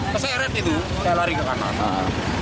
keseret itu saya lari ke kanal